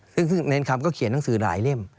ซึ่งเนรคำก็เขียนหนังสือหลายเล่ม